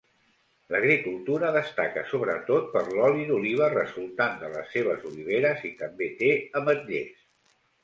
L'agricultura destaca sobretot per l'oli d'oliva resultant de les seves oliveres, i també té ametllers.